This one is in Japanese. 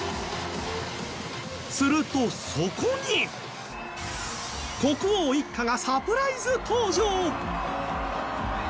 すると、そこに国王一家がサプライズ登場。